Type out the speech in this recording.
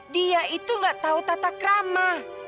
dia itu nggak tahu tata krama